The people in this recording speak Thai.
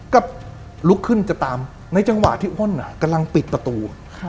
ก็ลุกขึ้นจะตามในจังหวะที่อ้นกำลังปิดประตู